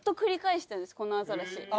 このアザラシ。